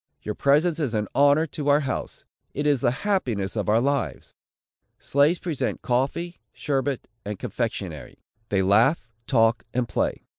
Your presence is an honor to our house! It is the happiness of our lives!" Slaves present coffee, sherbet, and confectionary. They laugh, talk and play.